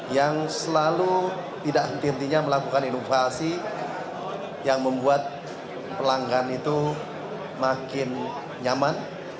yang selalu tidak henti hentinya melakukan inovasi yang membuat pelanggan itu makin nyaman